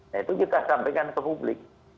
nah itu kita sampaikan ke publik